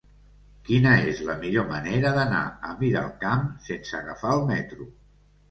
Quina és la millor manera d'anar a Miralcamp sense agafar el metro?